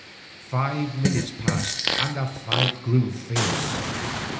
Five minutes passed and the fight grew fierce.